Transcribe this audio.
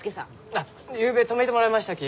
あっゆうべ泊めてもらいましたき！